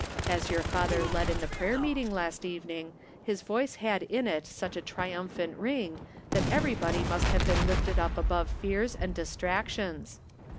As your father led in the prayer meeting last evening his voice had in it such a triumphant ring that everybody must have been lifted up above fears and distractions.